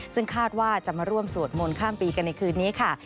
ซึ่งคาดว่าจะมาร่วมสวดมนต์ข้ามปีกันในคืนนี้ค่ะ